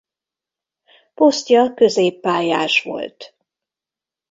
Posztja középpályás volt.